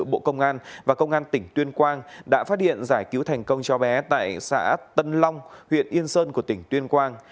bộ công an và công an tỉnh tuyên quang đã phát hiện giải cứu thành công cho bé tại xã tân long huyện yên sơn của tỉnh tuyên quang